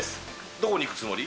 どこに行くつもり？